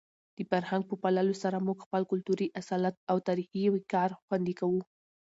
د فرهنګ په پاللو سره موږ خپل کلتوري اصالت او تاریخي وقار خوندي کوو.